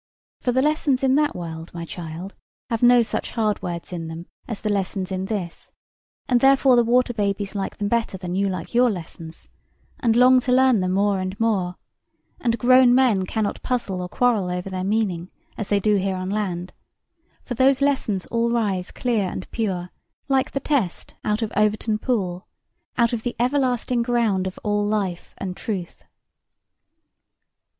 For the lessons in that world, my child, have no such hard words in them as the lessons in this, and therefore the water babies like them better than you like your lessons, and long to learn them more and more; and grown men cannot puzzle nor quarrel over their meaning, as they do here on land; for those lessons all rise clear and pure, like the Test out of Overton Pool, out of the everlasting ground of all life and truth.